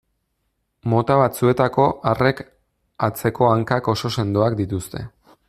Mota batzuetako arrek atzeko hankak oso sendoak dituzte.